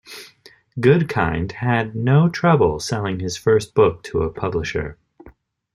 Goodkind had no trouble selling his first book to a publisher.